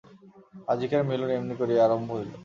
আজিকার মিলন এমনি করিয়া আরম্ভ হইল।